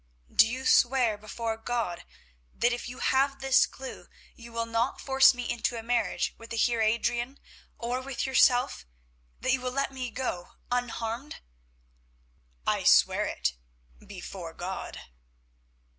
"Do you swear before God that if you have this clue you will not force me into a marriage with the Heer Adrian, or with yourself—that you will let me go, unharmed?" "I swear it—before God."